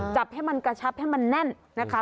จับให้มันกระชับให้มันแน่นนะคะ